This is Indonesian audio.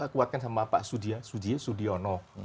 saya dikuatkan sama pak sudhiyo sudhiono